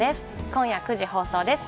今夜９時放送です。